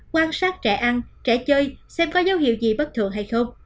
quan sát trẻ ăn trẻ chơi xem có dấu hiệu gì bất thường hay không